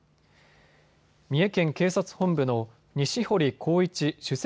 三重県警察本部の西堀浩一首席